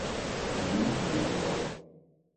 flyve ville hun dog.